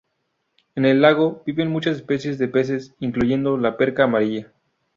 En el lago viven muchas especies de peces, incluyendo la perca amarilla.